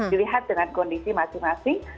dilihat dengan kondisi masing masing